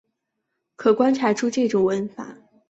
可观察出这种文法没有左递归。